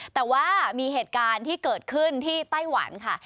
แต่ว่ามีเหตุการณ์ที่เกิดขึ้นที่ไต้หวันค่ะ